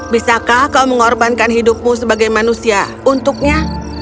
bisakah kau mengorbankan hidupmu sebagai manusia untuknya